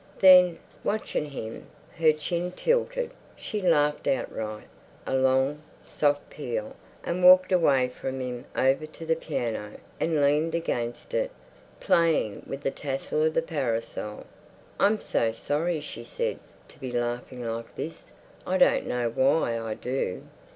Then, watching him, her chin tilted, she laughed outright, a long, soft peal, and walked away from him over to the piano, and leaned against it, playing with the tassel of the parasol. "I'm so sorry," she said, "to be laughing like this. I don't know why I do.